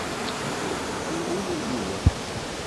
Ur ḥekku ula i yiwen!